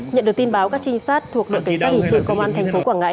nhận được tin báo các trinh sát thuộc đội cảnh sát hình sự công an thành phố quảng ngãi